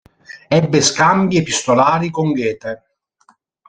Ebbe scambi epistolari con Goethe.